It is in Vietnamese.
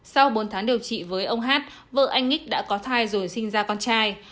sau bốn tháng điều trị với ông h vợ anh x đã có thai rồi sinh ra con trai